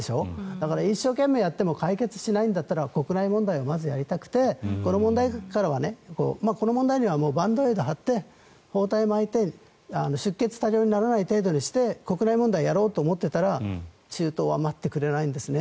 だから一生懸命やっても解決しないんだったら国内問題をまずやりたくてこの問題にはバンドエイドを貼って包帯を巻いて出血多量にならない程度にして国内問題をやろうと思っていたら中東は待ってくれないんですね。